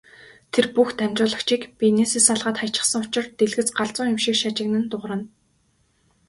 Тэр бүх дамжуулагчийг биенээсээ салгаад хаячихсан учир дэлгэц галзуу юм шиг шажигнан дуугарна.